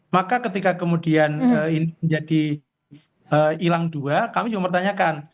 maka ketika kemudian ini menjadi hilang dua kami juga mempertanyakan